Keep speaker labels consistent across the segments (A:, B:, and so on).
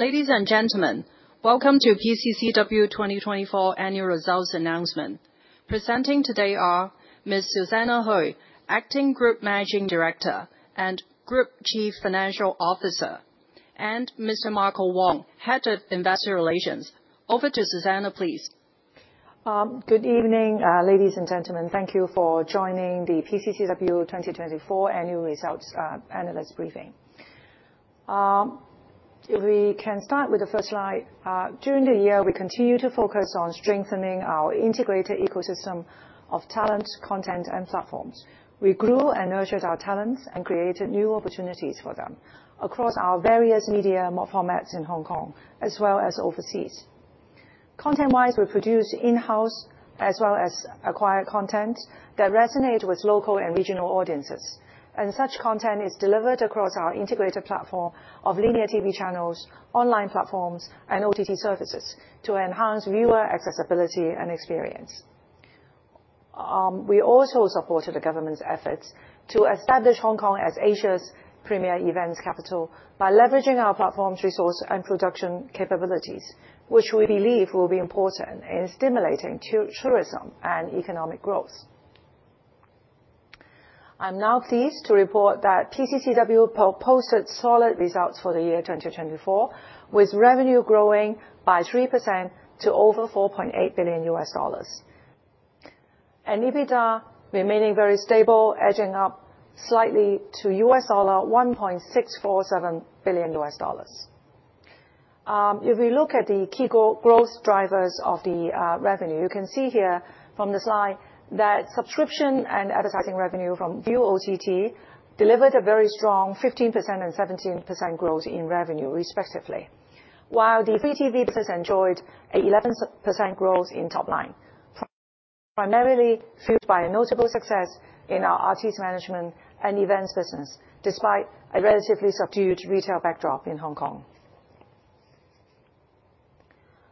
A: Ladies and gentlemen, welcome to PCCW 2024 Annual Results Announcement. Presenting today are Ms. Susanna Hui, Acting Group Managing Director and Group Chief Financial Officer, and Mr. Marco Wong, Head of Investor Relations. Over to Susanna, please.
B: Good evening, ladies and gentlemen. Thank you for joining the PCCW 2024 Annual Results Analyst Briefing. We can start with the first slide. During the year, we continue to focus on strengthening our integrated ecosystem of talent, content, and platforms. We grew and nurtured our talents and created new opportunities for them across our various media formats in Hong Kong, as well as overseas. Content-wise, we produced in-house as well as acquired content that resonated with local and regional audiences. Such content is delivered across our integrated platform of Linear TV channels, online platforms, and OTT services to enhance viewer accessibility and experience. We also supported the government's efforts to establish Hong Kong as Asia's premier events capital by leveraging our platform's resource and production capabilities, which we believe will be important in stimulating tourism and economic growth. I'm now pleased to report that PCCW posted solid results for the year 2024, with revenue growing by 3% to over $4.8 billion, and EBITDA remaining very stable, edging up slightly to $1.647 billion. If we look at the key growth drivers of the revenue, you can see here from the slide that subscription and advertising revenue from Viu OTT delivered a very strong 15% and 17% growth in revenue, respectively, while the free TV business enjoyed an 11% growth in top line, primarily fueled by a notable success in our artists management and events business, despite a relatively subdued retail backdrop in Hong Kong.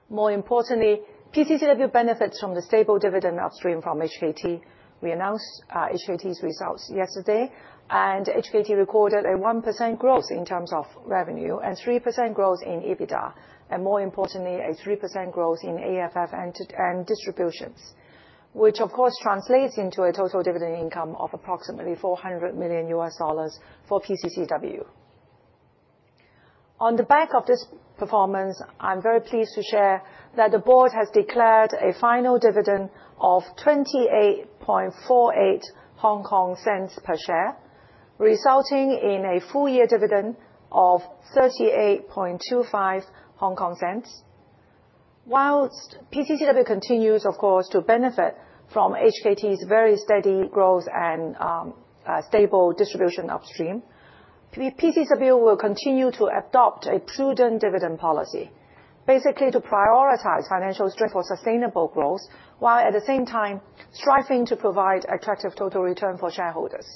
B: More importantly, PCCW benefits from the stable dividend upstream from HKT. We announced HKT's results yesterday, and HKT recorded a 1% growth in terms of revenue and 3% growth in EBITDA, and more importantly, a 3% growth in AFF and distributions, which, of course, translates into a total dividend income of approximately $400 million for PCCW. On the back of this performance, I'm very pleased to share that the board has declared a final dividend of HK$ 0.2848 per share, resulting in a full-year dividend of HK$ 0.3825. While PCCW continues, of course, to benefit from HKT's very steady growth and stable distribution upstream, PCCW will continue to adopt a prudent dividend policy, basically to prioritize financial for sustainable growth, while at the same time striving to provide attractive total return for shareholders.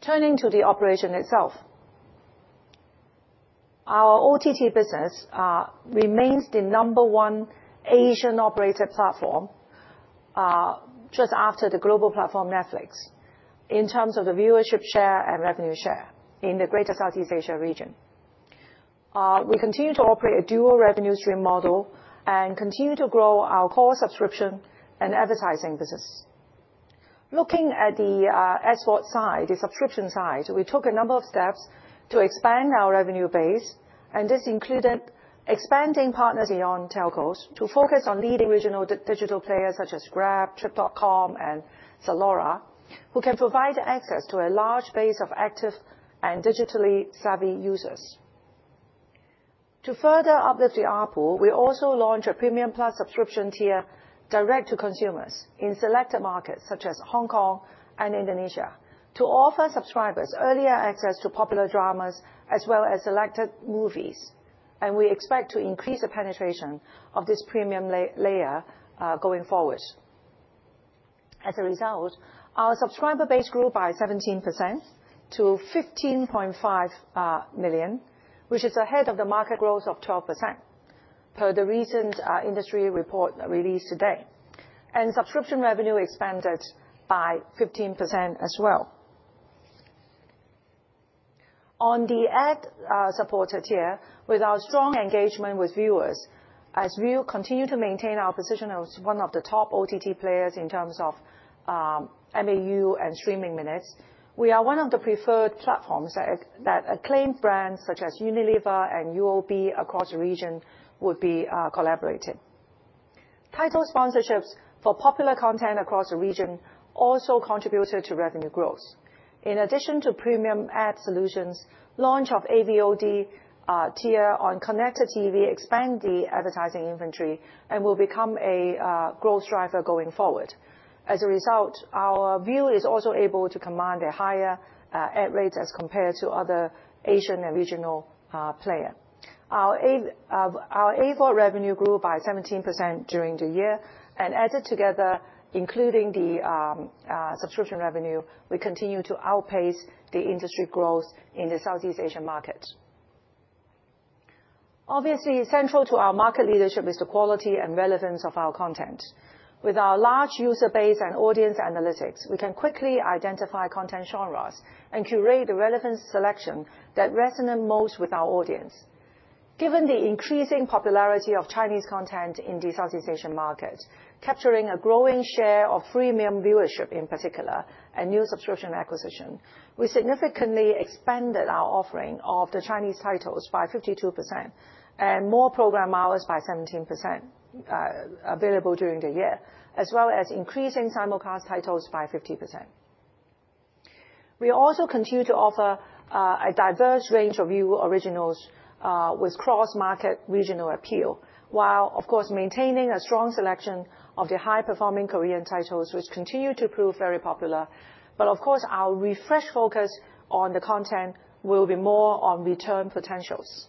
B: Turning to the operation itself, our OTT business remains the number one Asian-operated platform, just after the global platform Netflix, in terms of the viewership share and revenue share in the greater Southeast Asia region. We continue to operate a dual revenue stream model and continue to grow our core subscription and advertising business. Looking at the SVOD side, the subscription side, we took a number of steps to expand our revenue base, and this included expanding partners beyond telcos to focus on leading regional digital players such as Grab, Trip.com, and Zalora, who can provide access to a large base of active and digitally savvy users. To further uplift the ARPU, we also launched a Premium Plus subscription tier direct to consumers in selected markets such as Hong Kong and Indonesia to offer subscribers earlier access to popular dramas as well as selected movies, and we expect to increase the penetration of this premium layer going forward. As a result, our subscriber base grew by 17% to 15.5 million, which is ahead of the market growth of 12% per the recent industry report released today, and subscription revenue expanded by 15% as well. On the ad-supported tier, with our strong engagement with viewers, as Viu continues to maintain our position as one of the top OTT players in terms of MAU and streaming minutes, we are one of the preferred platforms that acclaimed brands such as Unilever and UOB across the region would be collaborating. Title sponsorships for popular content across the region also contributed to revenue growth. In addition to premium ad solutions, the launch of AVOD tier on Connected TV expanded the advertising inventory and will become a growth driver going forward. As a result, our Viu is also able to command a higher ad rate as compared to other Asian and regional players. Our AVOD revenue grew by 17% during the year, and added together, including the subscription revenue, we continue to outpace the industry growth in the Southeast Asian markets. Obviously, central to our market leadership is the quality and relevance of our content. With our large user base and audience analytics, we can quickly identify content genres and curate the relevant selection that resonates most with our audience. Given the increasing popularity of Chinese content in the Southeast Asian markets, capturing a growing share of premium viewership in particular, and new subscription acquisition, we significantly expanded our offering of the Chinese titles by 52% and more program hours by 17% available during the year, as well as increasing simulcast titles by 50%. We also continue to offer a diverse range of Viu originals with cross-market regional appeal, while, of course, maintaining a strong selection of the high-performing Korean titles, which continue to prove very popular. But, of course, our refreshed focus on the content will be more on return potentials.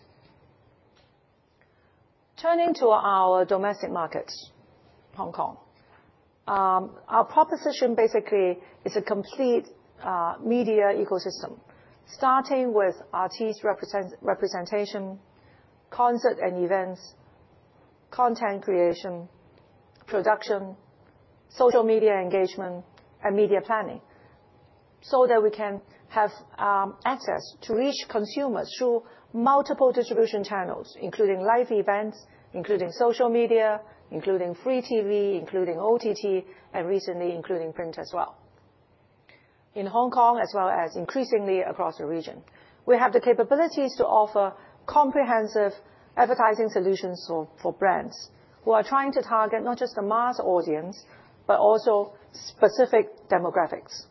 B: Turning to our domestic markets, Hong Kong, our proposition basically is a complete media ecosystem, starting with artists' representation, concert and events, content creation, production, social media engagement, and media planning, so that we can have access to reach consumers through multiple distribution channels, including live events, including social media, including free TV, including OTT, and recently including print as well. In Hong Kong, as well as increasingly across the region, we have the capabilities to offer comprehensive advertising solutions for brands who are trying to target not just the mass audience, but also specific demographics.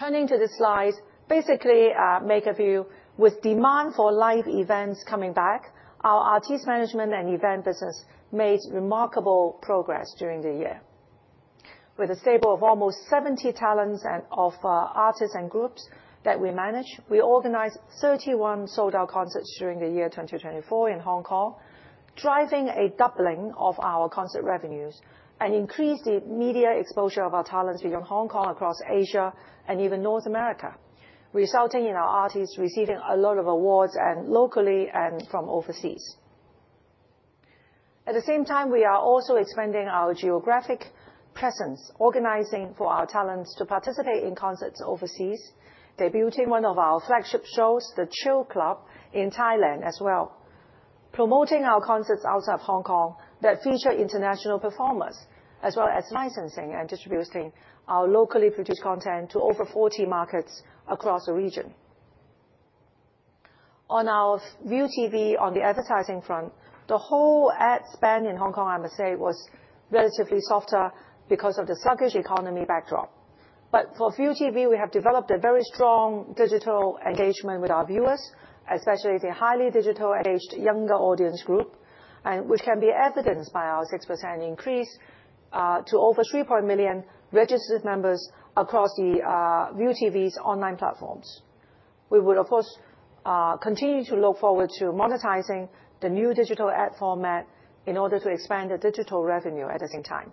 B: Turning to this slide, with demand for live events coming back, our artists' management and event business made remarkable progress during the year. With a stable of almost 70 talents and artists and groups that we manage, we organized 31 sold-out concerts during the year 2024 in Hong Kong, driving a doubling of our concert revenues and increased the media exposure of our talents beyond Hong Kong, across Asia, and even North America, resulting in our artists receiving a lot of awards locally and from overseas. At the same time, we are also expanding our geographic presence, organizing for our talents to participate in concerts overseas, debuting one of our flagship shows, The Chill Club, in Thailand as well, promoting our concerts outside of Hong Kong that feature international performers, as well as licensing and distributing our locally produced content to over 40 markets across the region. On our ViuTV, on the advertising front, the whole ad span in Hong Kong, I must say, was relatively softer because of the sluggish economy backdrop. But for ViuTV, we have developed a very strong digital engagement with our viewers, especially the highly digital-engaged younger audience group, which can be evidenced by our 6% increase to over 3.1 million registered members across the ViuTV's online platforms. We will, of course, continue to look forward to monetizing the new digital ad format in order to expand the digital revenue at the same time.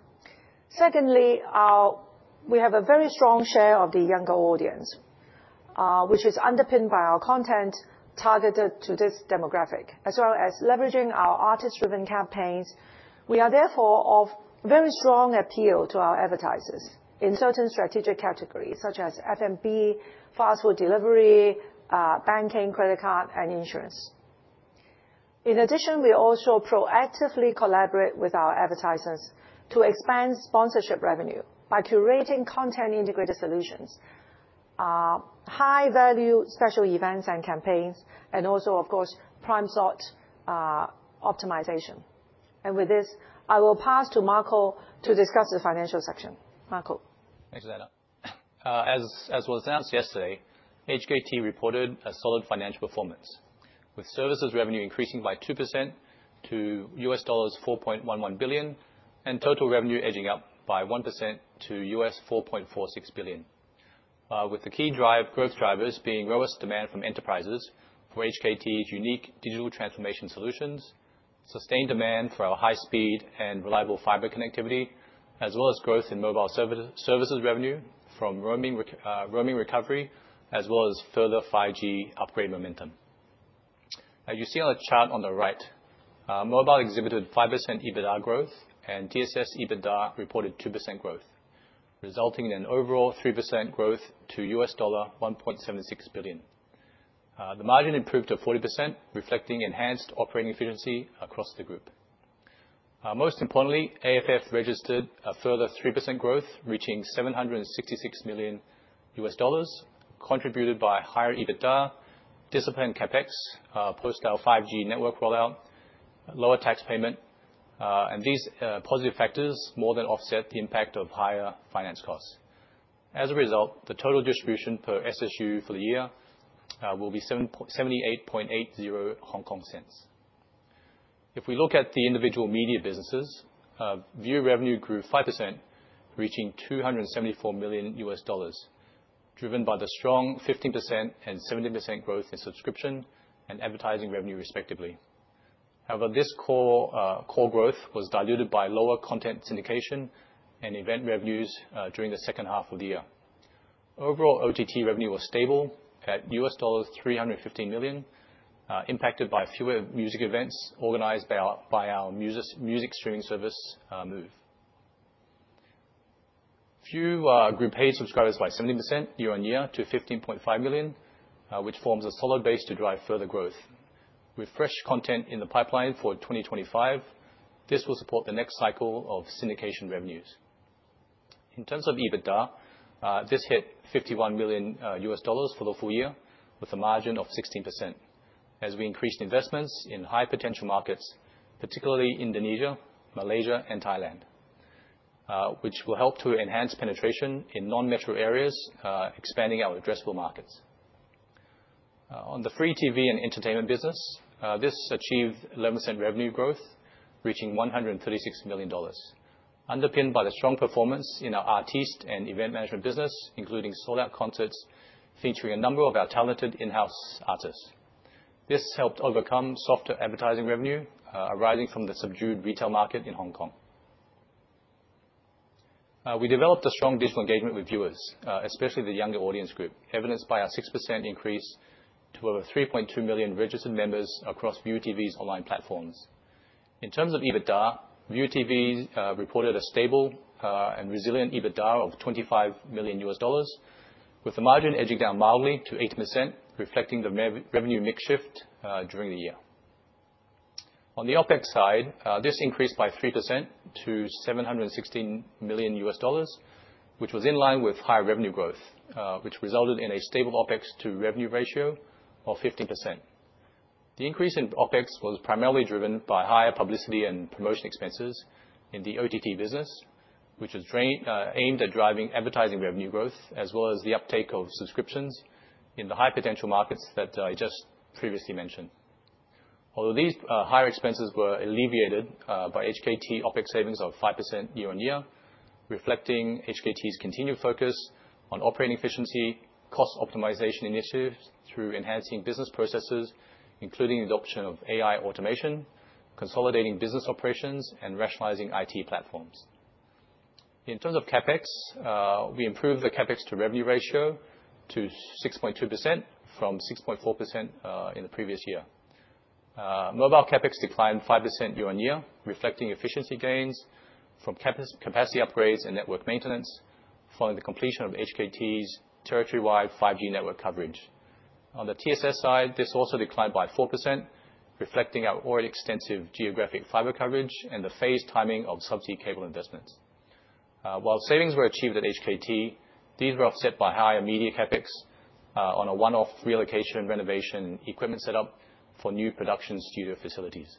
B: Secondly, we have a very strong share of the younger audience, which is underpinned by our content targeted to this demographic. As well as leveraging our artist-driven campaigns, we are therefore of very strong appeal to our advertisers in certain strategic categories, such as F&B, fast food delivery, banking, credit card, and insurance. In addition, we also proactively collaborate with our advertisers to expand sponsorship revenue by curating content-integrated solutions, high-value special events and campaigns, and also, of course, prime slot optimization, and with this, I will pass to Marco to discuss the financial section. Marco.
C: Thanks, Susanna. As was announced yesterday, HKT reported a solid financial performance, with services revenue increasing by 2% to $4.11 billion and total revenue edging up by 1% to $4.46 billion, with the key growth drivers being robust demand from enterprises for HKT's unique digital transformation solutions, sustained demand for our high-speed and reliable fiber connectivity, as well as growth in mobile services revenue from roaming recovery, as well as further 5G upgrade momentum. As you see on the chart on the right, mobile exhibited 5% EBITDA growth, and TSS EBITDA reported 2% growth, resulting in an overall 3% growth to $1.76 billion. The margin improved to 40%, reflecting enhanced operating efficiency across the group. Most importantly, AFF registered a further 3% growth, reaching $766 million, contributed by higher EBITDA, disciplined CapEx, post-5G network rollout, lower tax payment, and these positive factors more than offset the impact of higher finance costs. As a result, the total distribution per SSU for the year will be 0.7880. If we look at the individual media businesses, View revenue grew 5%, reaching $274 million, driven by the strong 15% and 17% growth in subscription and advertising revenue, respectively. However, this core growth was diluted by lower content syndication and event revenues during the second half of the year. Overall, OTT revenue was stable at $315 million, impacted by fewer music events organized by our music streaming service, MOOV. View group paid subscribers by 70% year on year to 15.5 million, which forms a solid base to drive further growth. With fresh content in the pipeline for 2025, this will support the next cycle of syndication revenues. In terms of EBITDA, this hit $51 million for the full year, with a margin of 16%, as we increased investments in high-potential markets, particularly Indonesia, Malaysia, and Thailand, which will help to enhance penetration in non-metro areas, expanding our addressable markets. On the free TV and entertainment business, this achieved 11% revenue growth, reaching $136 million, underpinned by the strong performance in our artist and event management business, including sold-out concerts featuring a number of our talented in-house artists. This helped overcome soft advertising revenue arising from the subdued retail market in Hong Kong. We developed a strong digital engagement with viewers, especially the younger audience group, evidenced by our 6% increase to over 3.2 million registered members across ViuTV's online platforms. In terms of EBITDA, ViuTV reported a stable and resilient EBITDA of $25 million, with the margin edging down mildly to 8%, reflecting the revenue mix shift during the year. On the OPEX side, this increased by 3% to $716 million, which was in line with higher revenue growth, which resulted in a stable OPEX to revenue ratio of 15%. The increase in OPEX was primarily driven by higher publicity and promotion expenses in the OTT business, which was aimed at driving advertising revenue growth, as well as the uptake of subscriptions in the high-potential markets that I just previously mentioned. Although these higher expenses were alleviated by HKT OPEX savings of 5% year on year, reflecting HKT's continued focus on operating efficiency, cost optimization initiatives through enhancing business processes, including the adoption of AI automation, consolidating business operations, and rationalizing IT platforms. In terms of CapEx, we improved the CapEx to revenue ratio to 6.2% from 6.4% in the previous year. Mobile CapEx declined 5% year on year, reflecting efficiency gains from capacity upgrades and network maintenance following the completion of HKT's territory-wide 5G network coverage. On the TSS side, this also declined by 4%, reflecting our already extensive geographic fiber coverage and the phased timing of subsea cable investments. While savings were achieved at HKT, these were offset by higher media CapEx on a one-off relocation renovation equipment setup for new production studio facilities.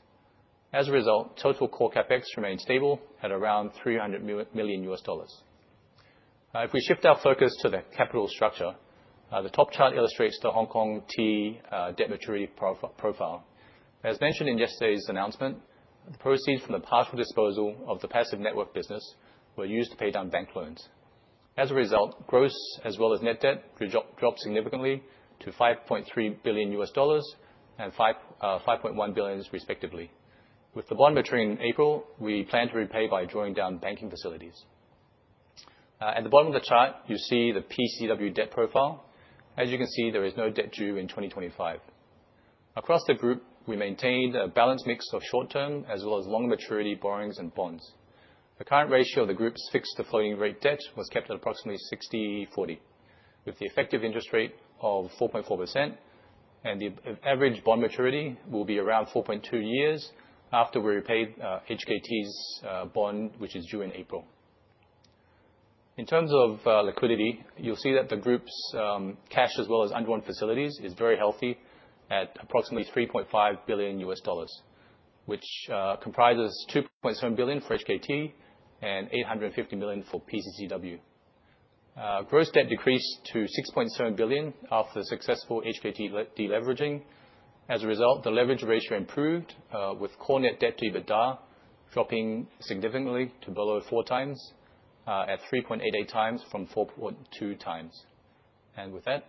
C: As a result, total core CapEx remained stable at around $300 million. If we shift our focus to the capital structure, the top chart illustrates the HKT debt maturity profile. As mentioned in yesterday's announcement, the proceeds from the proposed disposal of the passive network business were used to pay down bank loans. As a result, gross as well as net debt dropped significantly to $5.3 billion and $5.1 billion, respectively. With the bond maturing in April, we plan to repay by drawing down banking facilities. At the bottom of the chart, you see the PCCW debt profile. As you can see, there is no debt due in 2025. Across the group, we maintained a balanced mix of short-term as well as long-maturity borrowings and bonds. The current ratio of the group's fixed-to-floating rate debt was kept at approximately 60-40, with the effective interest rate of 4.4%, and the average bond maturity will be around 4.2 years after we repay HKT's bond, which is due in April. In terms of liquidity, you'll see that the group's cash as well as undrawn facilities is very healthy at approximately $3.5 billion, which comprises $2.7 billion for HKT and $850 million for PCCW. Gross debt decreased to $6.7 billion after the successful HKT deleveraging. As a result, the leverage ratio improved, with core net debt to EBITDA dropping significantly to below four times at 3.88 times from 4.2 times. With that,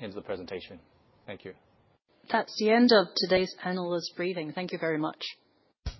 C: ends the presentation. Thank you.
A: That's the end of today's panelist briefing. Thank you very much.